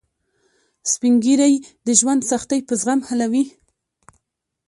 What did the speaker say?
سپین ږیری د ژوند سختۍ په زغم حلوي